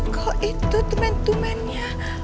kau itu temen temennya